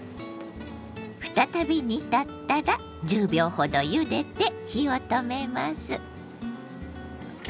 再び煮立ったら１０秒ほどゆでて火を止めます。